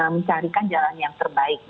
mencarikan jalan yang terbaik